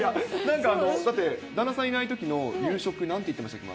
だって、旦那さんいないときの夕食、なんて言ってましたっけ？